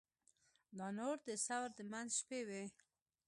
دا نو د ثور د منځ شپې وې.